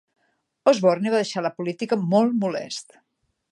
Osborne va deixar la política molt molest.